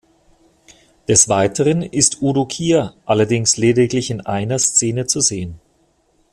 Des Weiteren ist Udo Kier, allerdings lediglich in einer Szene, zu sehen.